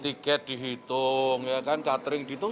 tiket dihitung ya kan catering dihitung